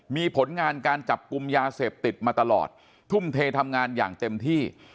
มีผลงานการจับกลุ่มยาเสพติดมาตลอดทุ่มเททำงานอย่างเต็มที่